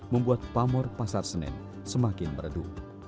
membuat pamor pasar senen semakin meredu